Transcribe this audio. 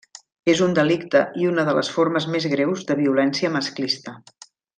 És un delicte i una de les formes més greus de violència masclista.